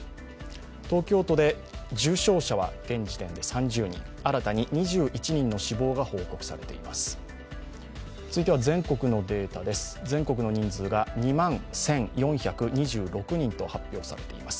東京都で重症者は現時点で３０人、新たに２１人の死亡が報告されています。